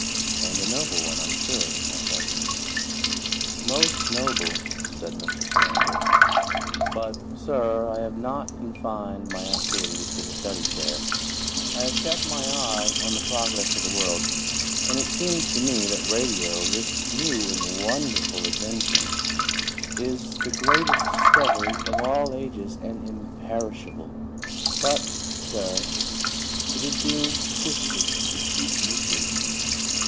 "And a noble one, I'm sure," I said. "Most noble," said Mr. Solander. "But, sir, I have not confined my activities to the study chair. I have kept my eye on the progress of the world. And it seems to me that radio, this new and wonderful invention, is the greatest discovery of all ages and imperishable. But, sir, it is being twisted to cheap uses.